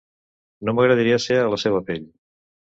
No m’agradaria ser a la seva pell.